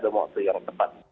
dalam waktu yang tepat